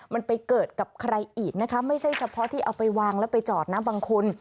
มันไปเกิดกับใครอีกนะคะไม่ใช่เฉพาะที่เอาไปวางแล้วไปจอดนะบางคน